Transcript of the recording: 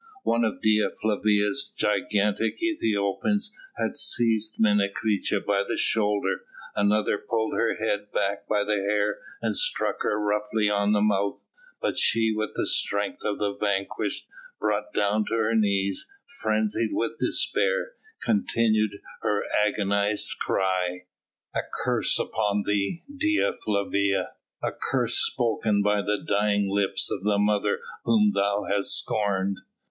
One of Dea Flavia's gigantic Ethiopians had seized Menecreta by the shoulder, another pulled her head back by the hair and struck her roughly on the mouth, but she, with the strength of the vanquished, brought down to her knees, frenzied with despair, continued her agonised cry: "A curse upon thee, Dea Flavia, a curse spoken by the dying lips of the mother whom thou hast scorned!"